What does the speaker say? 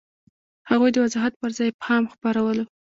هغوی د وضاحت پر ځای ابهام خپرولو.